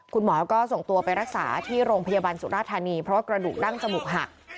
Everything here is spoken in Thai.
คุณหมอก็ส่งตัวไปรักษาที่โรงพยาบาลสุราธานีเพราะว่ากระดูกดั้งจมูกหัก